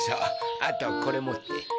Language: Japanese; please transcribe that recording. あとこれ持って。